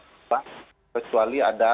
berubah kecuali ada